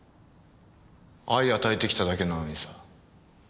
愛を与えてきただけなのにさ。